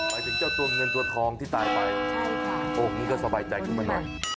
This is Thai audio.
ไปถึงเจ้าตัวเงินตัวทองที่ตายไปนะครับโอ้นี่ก็สบายใจมากนะครับ